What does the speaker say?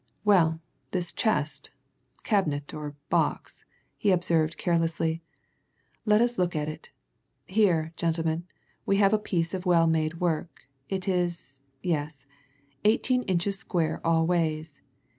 "Well this chest, cabinet, or box," he observed carelessly. "Let us look at it. Here, gentlemen, we have a piece of well made work. It is yes, eighteen inches square all ways.